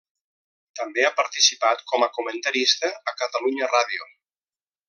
També ha participat com a comentarista a Catalunya Ràdio.